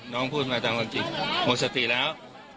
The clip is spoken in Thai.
น้องพูดมาต่างหลังจริงหมดสติแล้ว